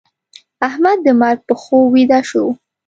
احمد د مرګ په خوب ويده شو.